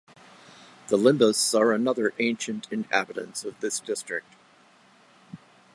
The Limbus are another ancient inhabitants of this district.